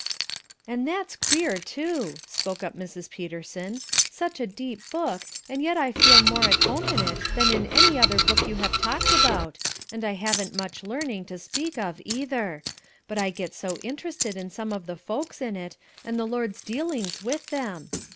"And that's queer, too," spoke up Mrs. Peterson. "Such a deep book, and yet I feel more at home in it than in any other book you have talked about, and I haven't much learning to speak of either. But I get so interested in some of the folks in it, and the Lord's dealings with them.